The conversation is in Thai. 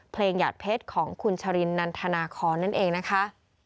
หยาดเพชรของคุณชรินนันทนาคอนนั่นเองนะคะ